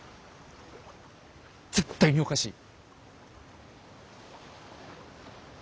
絶対におかしい。